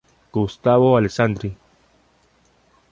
Gustavo Alessandri